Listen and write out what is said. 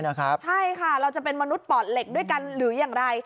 ใช่ค่ะเราจะเป็นมนุษย์ปอดเหล็กด้วยกันหรืออย่างไร